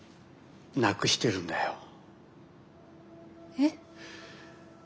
えっ。